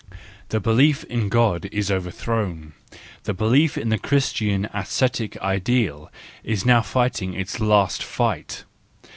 The belief in God is overthrown, the belief in the Christian ascetic ideal is now fighting its last fight.